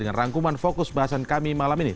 dengan rangkuman fokus bahasan kami malam ini